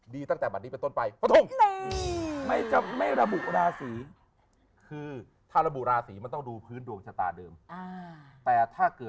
ดีตั้งแต่บันนี้เป็นต้นไป